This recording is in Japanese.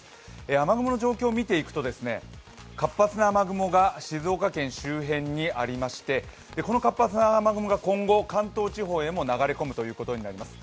雨雲の状況を見ていくと、活発な雨雲が静岡県周辺にありまして、この活発な雨雲が今後、関東地方へも流れ込むことになります。